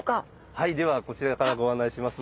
はいではこちらからご案内しますので。